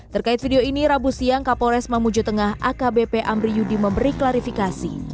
terkait video ini rabu siang kapolres mamuju tengah akbp amri yudi memberi klarifikasi